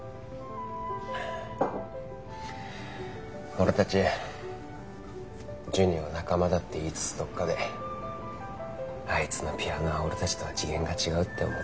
俺たちジュニを仲間だって言いつつどっかであいつのピアノは俺たちとは次元が違うって思ってた。